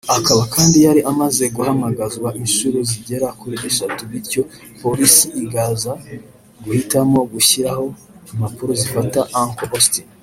akaba kandi yari amaze guhamagazwa incuro zigera kuri eshatu bityo polisi ikaza guhitamo gushyiraho impapuro zifata Uncle Austin